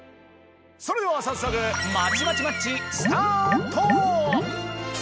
それでは早速まちまちマッチスタート！